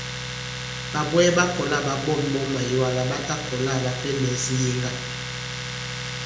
Ɓàbwɛɛ ɓa kɔ̀la ɓa ɓɔ̂ŋ ɓɔn màyɛwa lā ɓa ta kɔ̀la ɓa pɛndɛ̄s ŋ̀yeŋga.